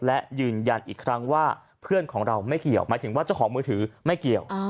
และยืนยันอีกครั้งว่าเพื่อนของเราไม่เกี่ยวหมายถึงว่าเจ้าของมือถือไม่เกี่ยว